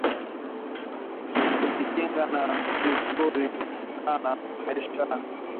Kuji kinga ni vizuri sana maishani